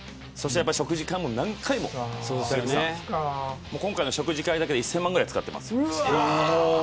食事会を何回もやって今回の食事会だけで１０００万ぐらい使ってます。